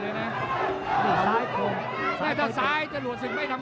เผ่าฝั่งโขงหมดยก๒